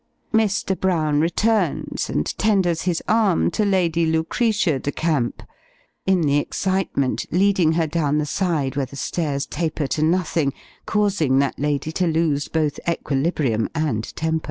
Mr. Brown returns, and tenders his arm to Lady Lucretia de Camp in the excitement, leading her down the side where the stairs taper to nothing, causing that lady to lose both equilibrium and temper.